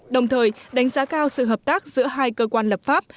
đồng thời đánh giá cao sự hợp tác giữa hai cơ quan lập pháp